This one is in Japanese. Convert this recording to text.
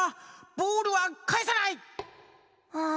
ボールはかえさない！